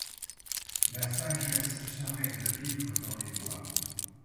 La sagesse serait de vivre dans les bois.